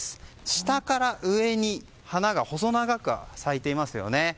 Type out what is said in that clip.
下から上に花が細長く咲いていますよね。